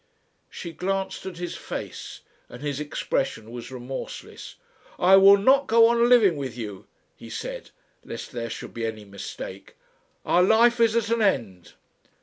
She glanced at his face, and his expression was remorseless. "I will not go on living with you," he said, lest there should be any mistake. "Our life is at an end."